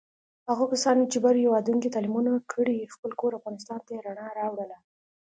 هغو کسانو چې بهر هېوادونوکې تعلیمونه وکړل، خپل کور افغانستان ته یې رڼا راوړله.